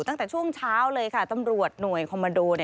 ตั้งแต่ช่วงเช้าเลยค่ะตำรวจหน่วยคอมมาโด